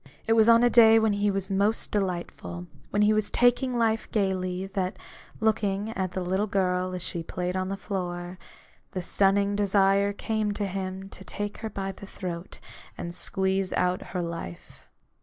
It was on a day when he was most delightful, when he was taking life gaily, that, looking at the little girl as she played on the floor, the stunning desire came to him to take her by the throat and squeeze out her life.